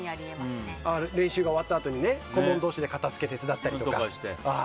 練習が終わったあとに顧問同士で片づけ手伝ったりして。